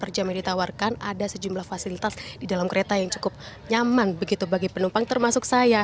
per jam yang ditawarkan ada sejumlah fasilitas di dalam kereta yang cukup nyaman begitu bagi penumpang termasuk saya